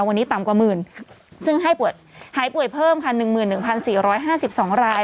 วันนี้ต่ำกว่าหมื่นซึ่งให้หายป่วยเพิ่มค่ะ๑๑๔๕๒ราย